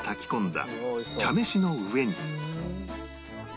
茶飯の上に